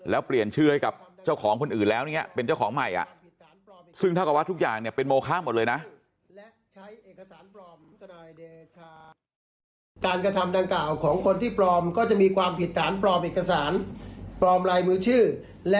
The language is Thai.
แล้วเปลี่ยนชื่อให้กับเจ้าของคนอื่นแล้วอย่างนี้เป็นเจ้าของใหม่ซึ่งเท่ากับว่าทุกอย่างเนี่ยเป็นโมคะหมดเลยนะ